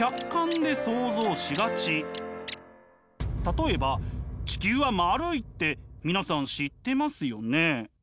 例えば地球は丸いって皆さん知ってますよね。